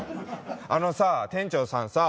あのさ店長さんさ